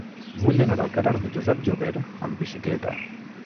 Vull anar al carrer de Josep Jover amb bicicleta.